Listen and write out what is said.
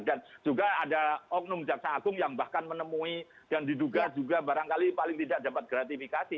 dan juga ada oknum jaksa agung yang bahkan menemui dan diduga juga barangkali paling tidak dapat gratifikasi